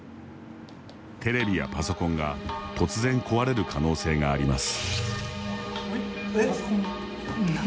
テレビやパソコンが突然、壊れる可能性があります。